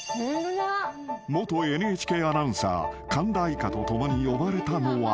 ［元ＮＨＫアナウンサー神田愛花と共に呼ばれたのは］